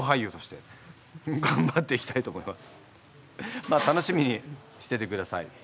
まあ楽しみにしててください。